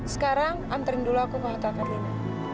sekarang amperin dulu aku ke hotel karina